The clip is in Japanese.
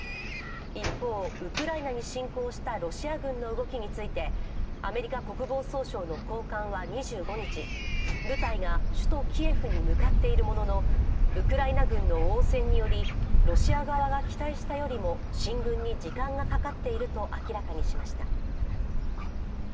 一方、ウクライナに侵攻したロシア軍の動きについてアメリカ国防総省の高官は２５日、部隊が首都キエフに向かっているもののウクライナ軍の応戦により、ロシア側が期待したよりも進軍に時間がかかっていると明らかにしました。